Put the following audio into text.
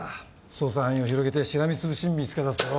捜査範囲を広げてしらみつぶしに見つけだすぞ。